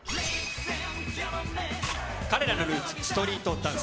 彼らのルーツ、ストリートダンス。